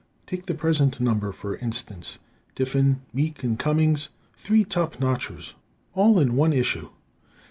Take the present number for instance: Diffin, Meek and Cummings, three top notchers, all in one issue.